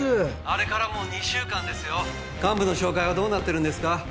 あれからもう２週間ですよ幹部の紹介はどうなってるんですか？